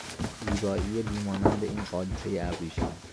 زیبایی بیمانند این قالیچهی ابریشم